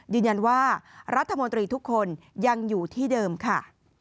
ยืนยันว่ารัฐมนตรีทุกคนยังอยู่ที่เดิมค่ะ